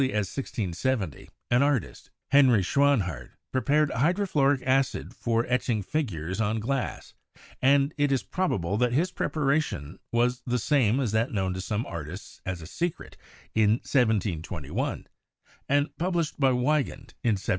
As early as 1670, an artist, Henry Schwan hard, prepared hydrofluoric acid for etching figures on glass, and it is probable that his preparation was the same as that known to some artists as a secret in 1721, and pub lished by Weygand in 1725.